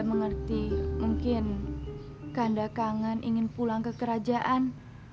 saya mengerti mungkin kanda kangen ingin pulang ke kerajaan